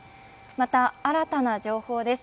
また、新たな情報です。